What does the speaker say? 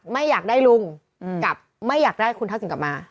ไม่อยากได้ลุงกับไม่อยากได้คุณทักษิณกลับมา